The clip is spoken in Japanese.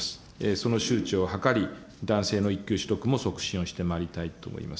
その周知を図り、男性の育休取得も促進をしてまいりたいと思います。